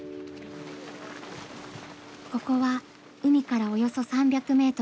ここは海からおよそ３００ｍ。